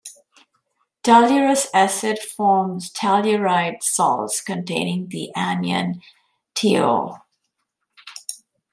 Tellurous acid forms "tellurite" salts containing the anion TeO.